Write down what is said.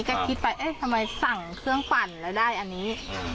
ก็คิดไปเอ๊ะทำไมสั่งเครื่องปั่นแล้วได้อันนี้